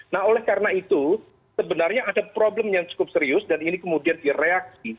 nah oleh karena itu sebenarnya ada problem yang cukup serius dan ini kemudian direaksi